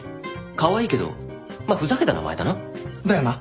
カワイイけどまっふざけた名前だな。だよな？